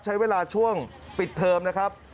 ใช้เวลาช่วงปิดเทอมนะครับ